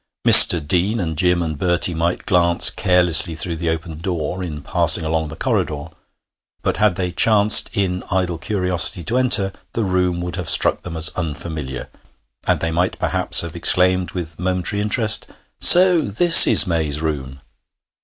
Mr. Deane and Jim and Bertie might glance carelessly through the open door in passing along the corridor, but had they chanced in idle curiosity to enter, the room would have struck them as unfamiliar, and they might perhaps have exclaimed with momentary interest, 'So this is May's room!'